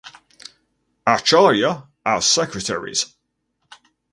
Acharya as secretaries.